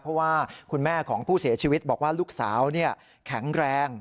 เพราะว่าคุณแม่ของผู้เสียชีวิตบอกว่าลูกสาวแข็งแรง